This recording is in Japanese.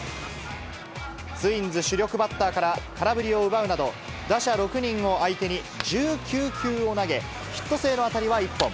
ツインズ主力バッターから空振りを奪うなど、打者６人を相手に１９球を投げ、ヒット性の当たりは１本。